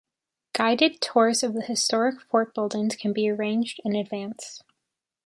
Guided tours of the historic fort buildings can be arranged in advance.